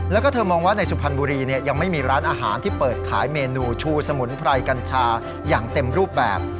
แล้วก็เธอมองว่าในสุพรรณบุรียังไม่มีร้านอาหารที่เปิดขายเมนูชูสมุนไพรกัญชาอย่างเต็มรูปแบบ